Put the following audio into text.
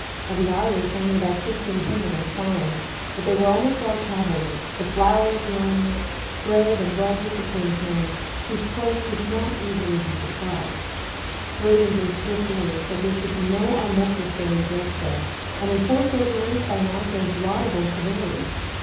Of the Irish only about fifteen hundred had fallen; but they were almost all cavalry, the flower of the army, brave and well disciplined men, whose place could not easily be supplied. William gave strict orders that there should be no unnecessary bloodshed, and enforced those orders by an act of laudable severity.